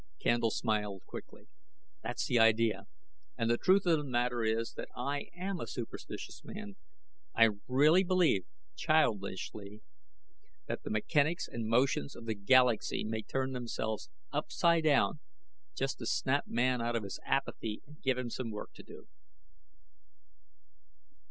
Candle smiled quickly. "That's the idea. And the truth of the matter is that I am a superstitious man. I really believe, childishly, that the mechanics and motions of the galaxy may turn themselves upsidedown just to snap man out of his apathy and give him some work to do."